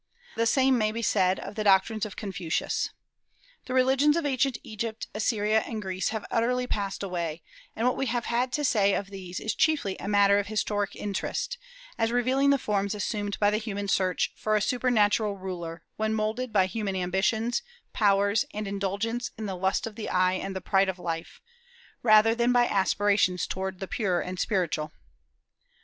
The same may be said of the doctrines of Confucius. The religions of ancient Egypt, Assyria, and Greece have utterly passed away, and what we have had to say of these is chiefly a matter of historic interest, as revealing the forms assumed by the human search for a supernatural Ruler when moulded by human ambitions, powers, and indulgence in the "lust of the eye and the pride of life," rather than by aspirations toward the pure and the spiritual.